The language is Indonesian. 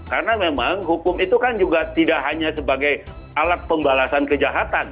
karena memang hukum itu kan juga tidak hanya sebagai alat pembalasan kejahatan